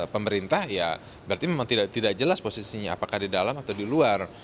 pemerintah ya berarti memang tidak jelas posisinya apakah di dalam atau di luar